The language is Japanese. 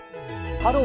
「ハロー！